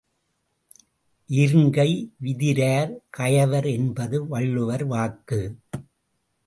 ஈர்ங்கை விதிரார் கயவர் என்பது வள்ளுவர் வாக்கு.